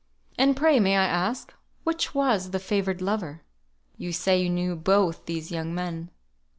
"And pray, may I ask, which was the favoured lover? You say you knew both these young men.